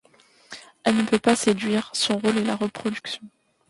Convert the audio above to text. Elle ne peut pas séduire, son rôle est la reproduction.